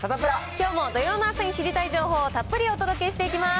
きょうも土曜の朝に知りたい情報をたっぷりお届けしていきます。